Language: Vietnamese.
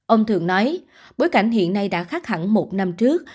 ông thường nói bối cảnh hiện nay đã khác hẳn một năm trước